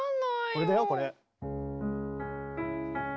これだよこれ。